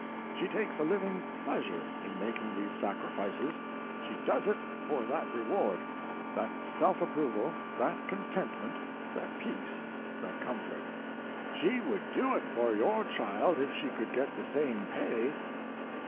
She takes a living pleasure in making these sacrifices. She does it for that reward—that self approval, that contentment, that peace, that comfort. She would do it for your child IF SHE COULD GET THE SAME PAY.